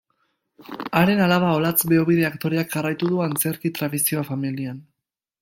Haren alaba Olatz Beobide aktoreak jarraitu du antzerki tradizioa familian.